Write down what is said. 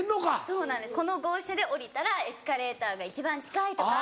そうなんですこの号車で降りたらエスカレーターが一番近いとか。